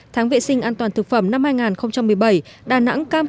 tháng vệ sinh an toàn thực phẩm năm hai nghìn một mươi bảy